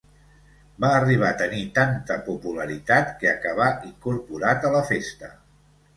Va arribar a tenir tanta popularitat que acabà incorporat a la festa.